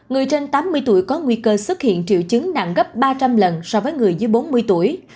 người trên tám mươi tuổi có nguy cơ xuất hiện triệu chứng nặng gấp ba trăm linh lần so với người dưới bốn mươi tuổi